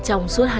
trong suốt hai năm